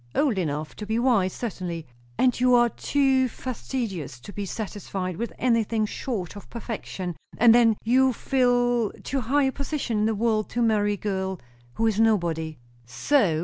"Old enough to be wise, certainly." "And you are too fastidious to be satisfied with anything short of perfection; and then you fill too high a position in the world to marry a girl who is nobody." "So?"